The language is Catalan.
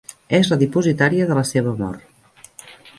És la dipositària de la seva amor.